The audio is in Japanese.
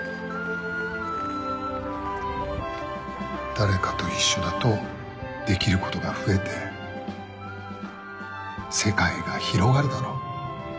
誰かと一緒だとできることが増えて世界が広がるだろ